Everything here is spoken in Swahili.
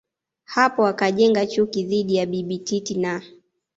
hapo akajenga chuki dhidi ya Bibi Titi na